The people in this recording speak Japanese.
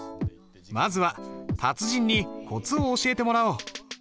まずは達人にコツを教えてもらおう。